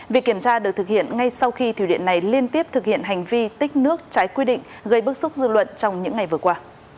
việc kiểm tra được thực hiện ngay sau khi thủy điện này liên tiếp thực hiện hành vi tích nước trái quy định gây bức xúc dư luận trong những ngày vừa qua